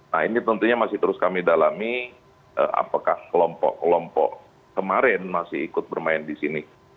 nah ini tentunya masih terus kami dalami apakah kelompok kelompok kemarin masih ikut bermain di sini